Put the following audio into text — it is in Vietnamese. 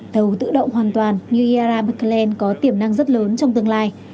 tàu tự động hoàn toàn như zara berkeland có tiềm năng rất lớn trong tương lai